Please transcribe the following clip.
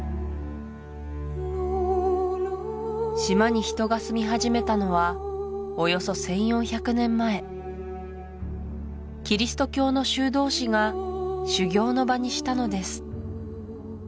島に人が住み始めたのはおよそ１４００年前キリスト教の修道士が修行の場にしたのです